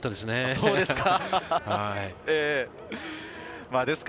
そうですか。